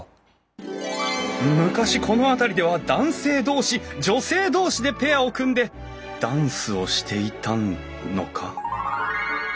昔この辺りでは男性同士女性同士でペアを組んでダンスをしていたのか？